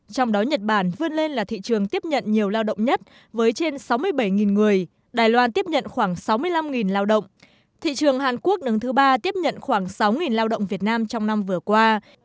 trong đó nhật bản vươn lên là thị trường tiếp nhận nhiều lao động nhất với trên sáu mươi bảy người đài loan tiếp nhận khoảng sáu mươi năm lao động thị trường hàn quốc đứng thứ ba tiếp nhận khoảng sáu lao động việt nam trong năm vừa qua